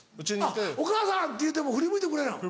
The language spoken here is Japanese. あっ「お母さん」って言うても振り向いてくれないの。